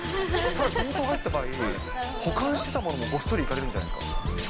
ただ、強盗入った場合、保管してたものもごっそりいかれるんじゃないですか？